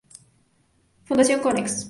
Fundación Konex.